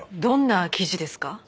どんな記事ですか？